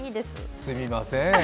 すみませーん。